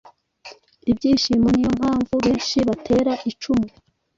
Ibyishimo Niyo mpamvu benshi batera icumu